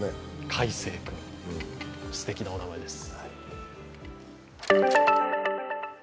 快晴君、すてきなお名前です。